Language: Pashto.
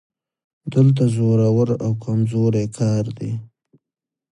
دلته زورور او کمزوری کار دی